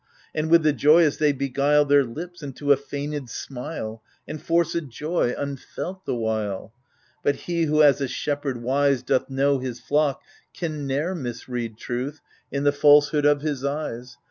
And, with the joyous, they beguile Their lips unto a feignM smile, And force a joy, unfelt the while ; But he who as a shepherd wise Doth know his flock, can ne'er misread Truth in the falsehood of his eyes.